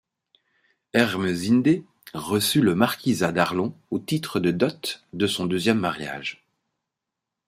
Ermesinde reçut le marquisat d'Arlon au titre de dot de son deuxième mariage.